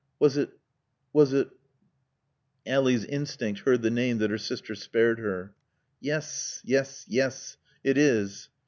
"Was it was it " Ally's instinct heard the name that her sister spared her. "Yes Yes Yes. It is."